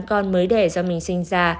con mới đẻ do mình sinh ra